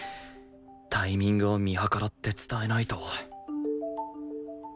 タイミングを見計らって伝えないと